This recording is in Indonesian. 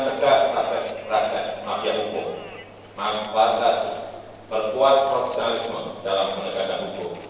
perbaiki kualitas pelayanan pada masyarakat